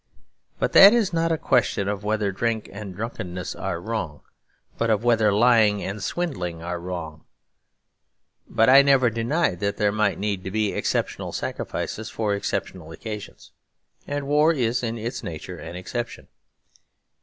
But that is not a question of whether drink and drunkenness are wrong, but of whether lying and swindling are wrong. But I never denied that there might need to be exceptional sacrifices for exceptional occasions; and war is in its nature an exception.